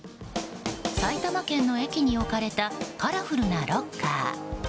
埼玉県の駅に置かれたカラフルなロッカー。